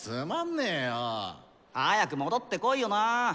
早く戻ってこいよな。